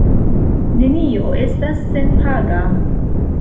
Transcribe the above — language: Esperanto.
Nenio estas senpaga.